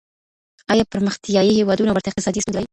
آيا پرمختيايي هيوادونه ورته اقتصادي ستونزې لري؟